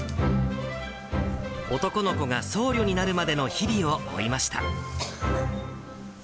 男の子が僧侶になるまでの日々を追いました。